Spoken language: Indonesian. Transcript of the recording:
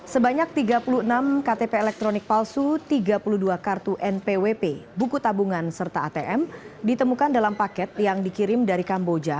sebanyak tiga puluh enam ktp elektronik palsu tiga puluh dua kartu npwp buku tabungan serta atm ditemukan dalam paket yang dikirim dari kamboja